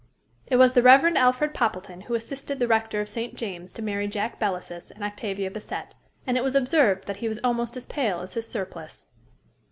It was the Rev. Alfred Poppleton who assisted the rector of St. James to marry Jack Belasys and Octavia Bassett; and it was observed that he was almost as pale as his surplice.